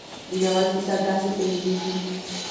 د ناول کیسه داسې پيلېږي.